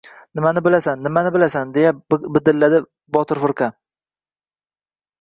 — Nimani bilasan, nimani bilasan? — deya bidilladi Botir firqa.